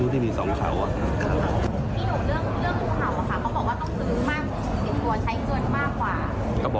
อันนี้มันมีคนจ่ายไหมครับ